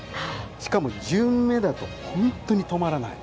しかも順目だと本当に止まらない。